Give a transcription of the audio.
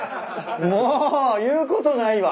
もう言うことないわ。